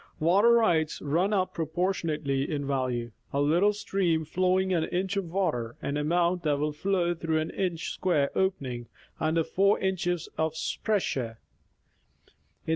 Water rights run up proportionately in value. A little stream flowing an inch of water^— an amount that will flow through an inch square opening under four inches of pressure — in the 290 National Geographic Magazine.